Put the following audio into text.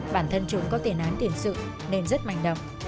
bản thân chúng có tiền án tiền sự nên rất manh động